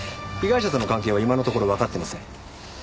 被害者との関係は今のところわかってません。